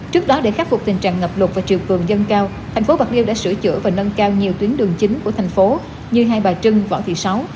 trước đó để khắc phục tình trạng ngập lụt và chiều cường dân cao thành phố bạc liêu đã sửa chữa và nâng cao nhiều tuyến đường chính của thành phố như hai bà trưng võ thị sáu